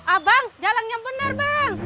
abang jalannya bener bang